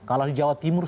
kalah di jawa timur